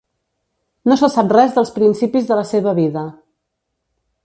No se sap res dels principis de la seva vida.